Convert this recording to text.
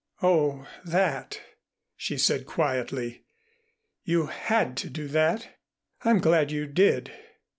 "Oh, that," she said quietly. "You had to do that. I'm glad you did."